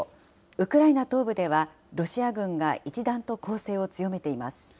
ウクライナ東部では、ロシア軍が一段と攻勢を強めています。